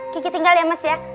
kiki tinggal ya mas ya